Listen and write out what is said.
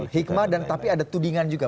hikmah dan tapi ada tudingan juga